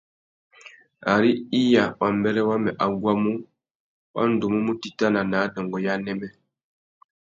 Ari iya wa mbêrê wamê a guamú, wa ndú mú mù titana nà adôngô ya anêmê.